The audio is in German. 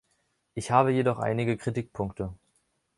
Ich habe jedoch einige Kritikpunkte.